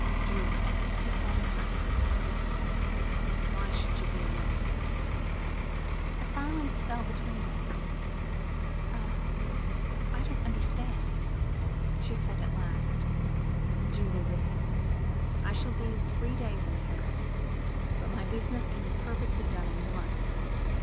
"Julie," he said in her ear, "why should you be alone?" A silence fell between them. "I I don't understand," she said, at last. "Julie, listen! I shall be three days in Paris, but my business can be perfectly done in one.